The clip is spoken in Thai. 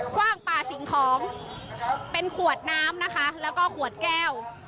ว่างปลาสิ่งของเป็นขวดน้ำนะคะแล้วก็ขวดแก้ว